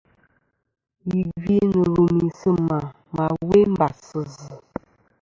Yì gvi nɨ̀ lùmì si sɨ ma we mbas sɨ zɨ.